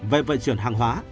về vận chuyển hàng hóa